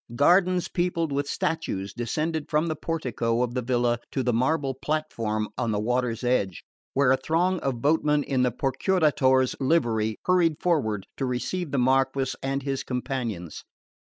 Gardens peopled with statues descended from the portico of the villa to the marble platform on the water's edge, where a throng of boatmen in the Procuratore's livery hurried forward to receive the Marquess and his companions.